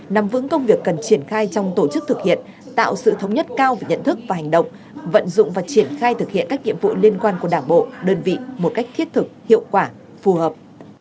nằm vững công việc cần triển khai trong tổ chức thực hiện tạo sự thống nhất cao về nhận thức và hành động vận dụng và triển khai thực hiện các nhiệm vụ liên quan của đảng bộ đơn vị một cách thiết thực hiệu quả phù hợp